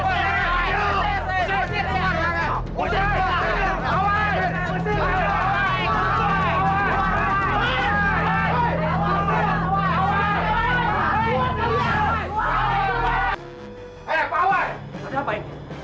sedih apa ini